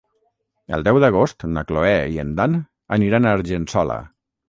El deu d'agost na Cloè i en Dan aniran a Argençola.